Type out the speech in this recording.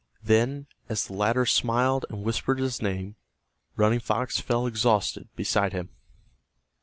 Then, as the latter smiled and whispered his name, Running Fox fell exhausted beside him.